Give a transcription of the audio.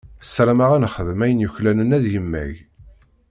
Sarameɣ ad nexdem ayen yuklalen ad yemmag.